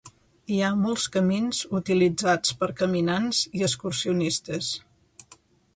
Hi ha molts camins utilitzats per caminants i excursionistes.